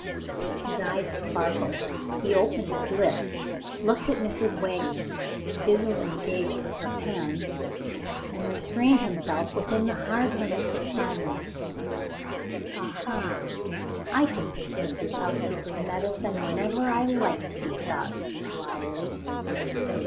His eyes sparkled he opened his lips looked at Mrs. Wagner, busily engaged with her pen and restrained himself within the hard limits of silence. "Aha! I can take Mrs. Housekeeper's medicine whenever I like," he thought slily.